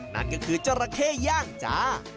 นั่นก็คือเจ้าระเคย่างจ๊ะ